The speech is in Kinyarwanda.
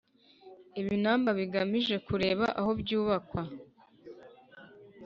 ibinamba bigamije kureba ahobyubakwa.